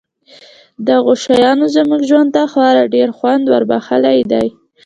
دغو شیانو زموږ ژوند ته خورا ډېر خوند وربښلی دی